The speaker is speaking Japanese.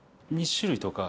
２種類とか。